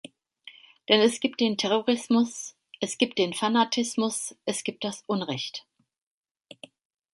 Denn es gibt den Terrorismus, es gibt den Fanatismus, es gibt das Unrecht.